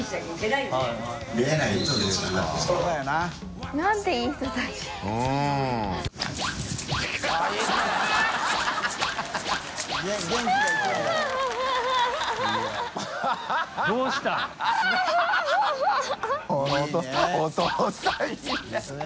いいですね。